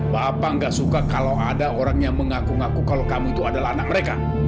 bapak nggak suka kalau ada orang yang mengaku ngaku kalau kamu itu adalah anak mereka